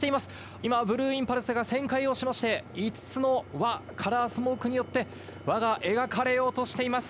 今、ブルーインパルスが旋回をしまして、５つの輪、カラースモークによって輪が描かれようとしています。